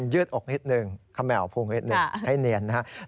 ยืดอกนิดนึงเขม่าวพุงนิดหนึ่งให้เนียนนะครับ